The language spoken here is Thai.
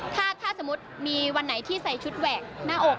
ถ้าสมมุติมีวันไหนที่ใส่ชุดแหวกหน้าอก